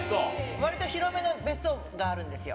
わりと広めの別荘があるんですよ。